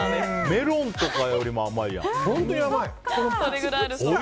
メロンとかよりも甘いじゃん。